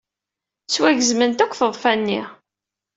Ttwagezment akk tḍeffa-nni.